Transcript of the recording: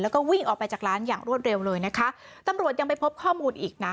แล้วก็วิ่งออกไปจากร้านอย่างรวดเร็วเลยนะคะตำรวจยังไปพบข้อมูลอีกนะ